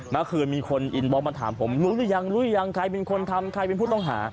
เมื่อคืนมีคนอินบล็อกมาถามผมรู้หรือยังรู้หรือยังใครเป็นคนทำใครเป็นผู้ต้องหา